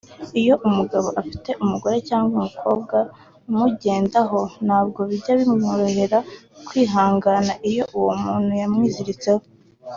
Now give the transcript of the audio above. Iyo umugabo afite umugore cyangwa umukobwa umugendaho ntabwo bijya bimworohera kwihangana iyo uwo muntu yamwiziritseho